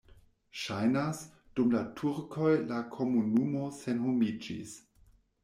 Ŝajnas, dum la turkoj la komunumo senhomiĝis.